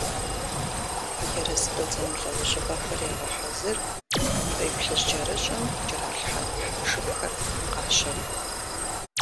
Ерыскъы зэмылӀэужьыгъуэхэр ягъэхьэзыр, кхъуейплъыжькӀэрыщӀэм кӀэралъхьэну хьэпшыпхэр къащэху.